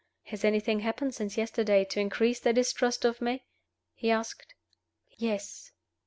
"Has anything happened since yesterday to increase their distrust of me?" he asked. "Yes."